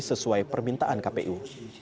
sesuai permintaan kpu